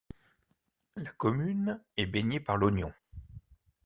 La commune est baignée par l'Ognon.